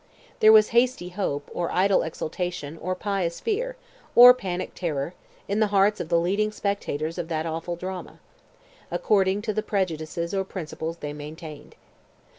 There was hasty hope, or idle exultation, or pious fear, or panic terror, in the hearts of the leading spectators of that awful drama, according to the prejudices or principles they maintained.